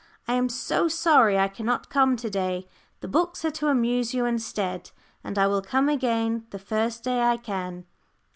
I am so sorry I cannot come to day. The books are to amuse you instead, and I will come again the first day I can.